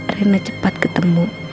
rina cepat ketemu